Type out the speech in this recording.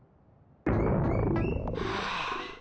はあ。